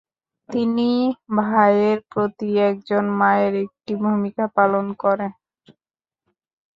তিনি ভাইয়ের প্রতি একজন মায়ের একটি ভূমিকা পালন করেন।